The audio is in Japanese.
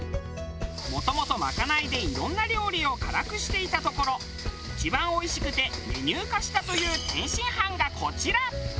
もともとまかないでいろんな料理を辛くしていたところ一番おいしくてメニュー化したという天津飯がこちら！